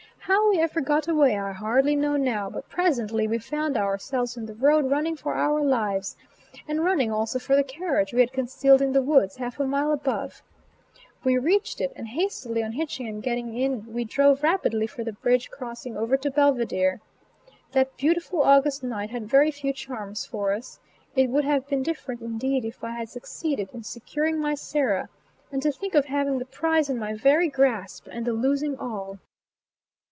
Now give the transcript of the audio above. How we ever got away I hardly know now, but presently we found ourselves in the road running for our lives, and running also for the carriage we had concealed in the woods, half a mile above. We reached it, and hastily unhitching and getting in we drove rapidly for the bridge crossing over to Belvidere. That beautiful August night had very few charms for us. It would have been different indeed if I had succeeded in securing my Sarah; and to think of having the prize in my very grasp, and the losing all!